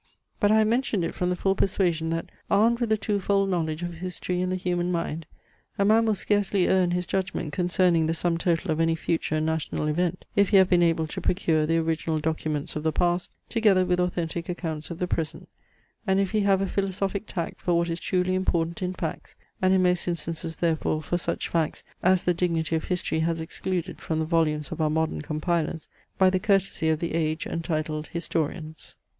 But I have mentioned it from the full persuasion that, armed with the two fold knowledge of history and the human mind, a man will scarcely err in his judgment concerning the sum total of any future national event, if he have been able to procure the original documents of the past, together with authentic accounts of the present, and if he have a philosophic tact for what is truly important in facts, and in most instances therefore for such facts as the dignity of history has excluded from the volumes of our modern compilers, by the courtesy of the age entitled historians.